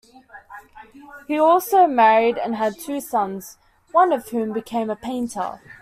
He also married and had two sons, one of whom became a painter.